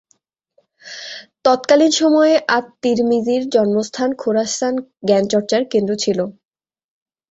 তৎকালীন সময়ে আত-তিরমিজির জন্মস্থান খোরাসান জ্ঞানচর্চার কেন্দ্র ছিল।